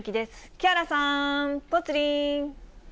木原さん、ぽつリン。